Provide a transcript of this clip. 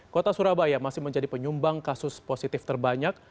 kota surabaya masih menjadi penyumbang kasus positif terbanyak